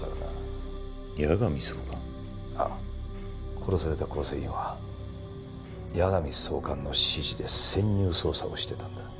殺された構成員は矢上総監の指示で潜入捜査をしてたんだ。